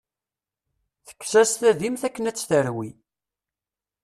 Tekkes-as tadimt akken ad t-terwi.